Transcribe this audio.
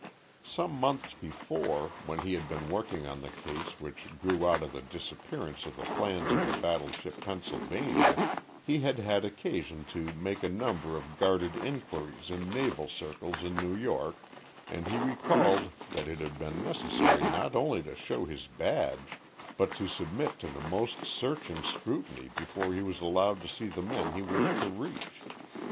Some months before, when he had been working on the case which grew out of the disappearance of the plans of the battleship Pennsylvania, he had had occasion to make a number of guarded inquiries in naval circles in New York, and he recalled that it had been necessary not only to show his badge, but to submit to the most searching scrutiny before he was allowed to see the men he wished to reach.